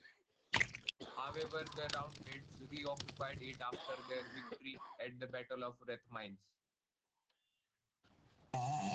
However, the Roundheads re-occupied it after their victory at the Battle of Rathmines.